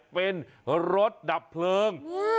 เป็นรถดับเพลิง